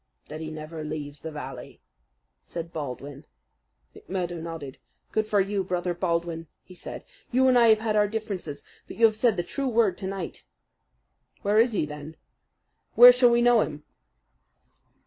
"That he never leaves the valley," said Baldwin. McMurdo nodded. "Good for you, Brother Baldwin," he said. "You and I have had our differences, but you have said the true word to night." "Where is he, then? Where shall we know him?"